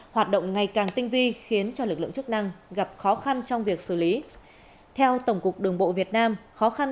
hoạt động ngày càng tinh vi khiến cho lực lượng chức năng gặp khó khăn